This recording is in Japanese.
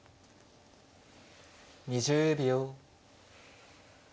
２０秒。